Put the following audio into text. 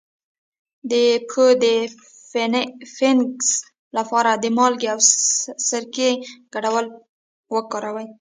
د پښو د فنګس لپاره د مالګې او سرکې ګډول وکاروئ